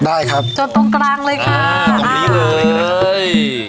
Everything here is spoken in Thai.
ได้ครับจนตรงกลางเลยค่ะตรงนี้เลย